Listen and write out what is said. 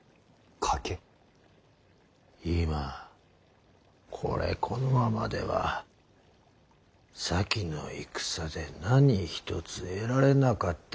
今これこのままでは先の戦で何一つ得られなかったことになる。